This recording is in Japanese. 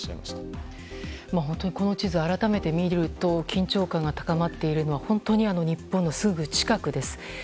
本当にこの地図を改めて見ると緊張感が高まっているのは日本のすぐ近くです。